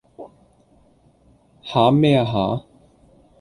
吓咩啊吓？